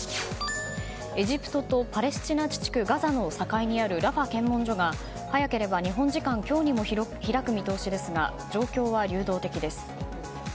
エジプトとパレスチナ自治区ガザの境にあるラファ検問所が早ければ日本時間今日にも開く見通しですが状況は流動的です。